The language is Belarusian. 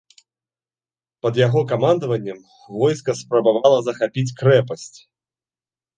Пад яго камандаваннем войска спрабавала захапіць крэпасць.